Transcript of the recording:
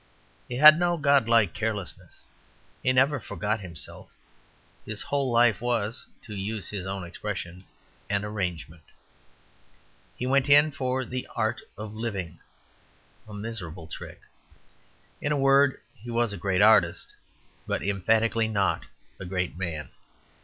He had no god like carelessness; he never forgot himself; his whole life was, to use his own expression, an arrangement. He went in for "the art of living" a miserable trick. In a word, he was a great artist; but emphatically not a great man.